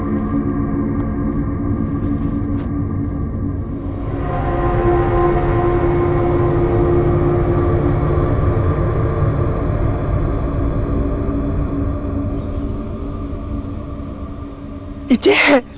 ไอ้เจ๊